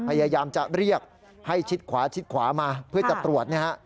พยายามจะเรียกให้ชิดขวามาเพื่อจะตรวจ